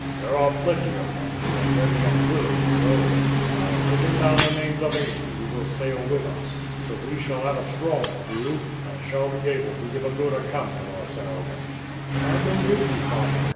"There are plenty of men here ready and willing to go, and I have taken down the names of eighty who will sail with us; so we shall have a strong crew, and shall be able to give good account of ourselves." "Can I go with you, father?"